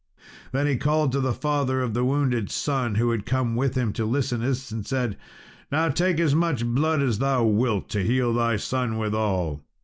Then he called to the father of the wounded son, who had come with him to Listeniss, and said, "Now take as much blood as thou wilt, to heal thy son withal."